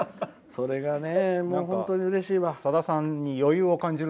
それが、本当にうれしいわ。